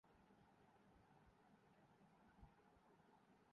بے شک ہم ووٹ نہیں ڈال سکتے